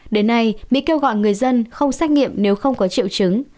đến nay mỹ kêu gọi người dân không xét nghiệm nếu không có triệu chứng